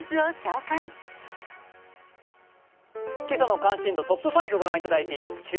今朝の関心度トップ５をご覧いただいています。